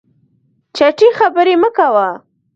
چټي خبري مه کوه !